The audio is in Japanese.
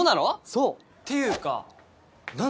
そうっていうかな